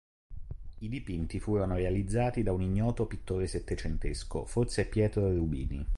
I dipinti furono realizzati da un ignoto pittore settecentesco, forse Pietro Rubini.